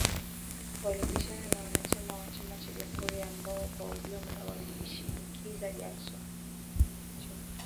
Walipishana na wanachama wa chama cha Jamhuri ambao kwa ujumla walimshinikiza Jackson